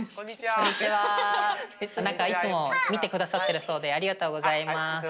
何かいつも見てくださってるそうでありがとうございます。